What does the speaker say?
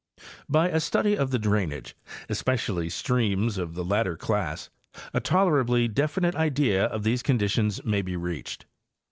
By a study of the drainage, especially streams of the latter class, a tolerably definite idea of these conditions may be reached.